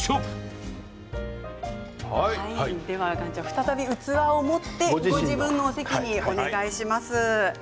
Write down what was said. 再び、器を持ってご自分の席にお願いします。